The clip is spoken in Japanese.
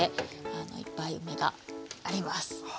いっぱい梅があります。